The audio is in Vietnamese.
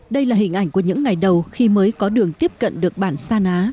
đây là hình ảnh của những ngày đầu khi mới có đường tiếp cận được bản sa ná